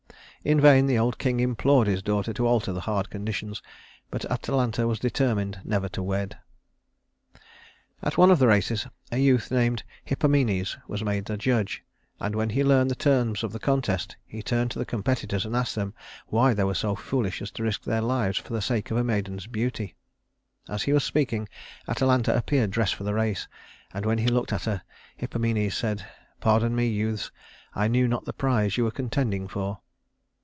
In vain the old king implored his daughter to alter the hard conditions, but Atalanta was determined never to wed. At one of the races a youth named Hippomenes was made the judge; and when he learned the terms of the contest, he turned to the competitors and asked them why they were so foolish as to risk their lives for the sake of a maiden's beauty. As he was speaking, Atalanta appeared dressed for the race, and when he looked at her, Hippomenes said: "Pardon me, youths, I knew not the prize you were contending for."